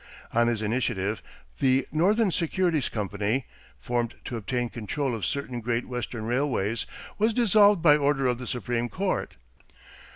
On his initiative, the Northern Securities Company, formed to obtain control of certain great western railways, was dissolved by order of the Supreme Court.